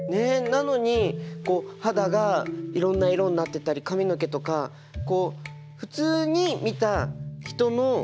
なのに肌がいろんな色になってたり髪の毛とか普通に見た人の色彩ではないですよね。